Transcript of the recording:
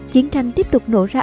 chiến tranh tiếp tục nổ ra